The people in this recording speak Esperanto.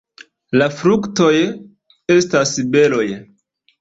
La fruktoj estas beroj.